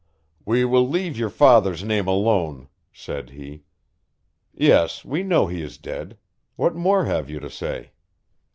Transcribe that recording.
"We will leave your father's name alone," said he; "yes, we know he is dead what more have you to say?"